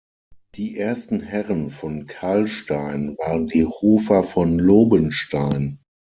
Die ersten Herren von Karlstein waren die Hofer von Lobenstein.